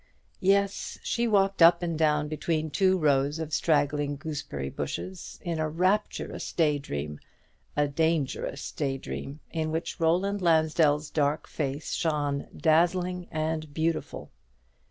Yes, she walked up and down between two rows of straggling gooseberry bushes, in a rapturous day dream; a dangerous day dream, in which Roland Lansdell's dark face shone dazzling and beautiful.